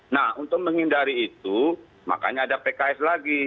nah untuk menghindari itu makanya ada pks lagi